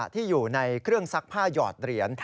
ที่อยู่ในเครื่องซักผ้าหยอดเหรียญ